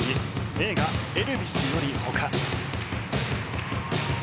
映画「エルヴィス」よりほか。